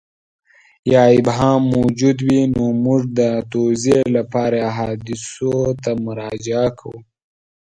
یا ابهام موجود وي نو موږ د توضیح لپاره احادیثو ته مراجعه کوو.